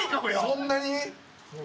そんなに？